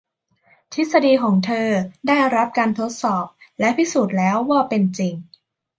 ทฤษฎีของเธอได้รับการทดสอบ และพิสูจน์แล้วว่าเป็นจริง